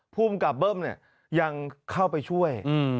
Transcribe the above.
พูดกับเบิ้มยังเข้าไปช่วย